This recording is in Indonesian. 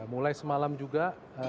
mulai semalam juga